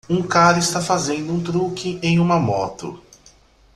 Um cara está fazendo um truque em uma moto.